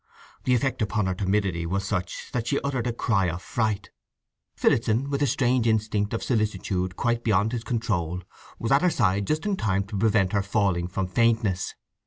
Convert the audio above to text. The effect upon her timidity was such that she uttered a cry of fright. Phillotson, with a strange instinct of solicitude quite beyond his control, was at her side just in time to prevent her falling from faintness.